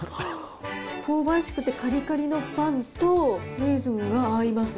香ばしくてかりかりのパンと、レーズンが合いますね。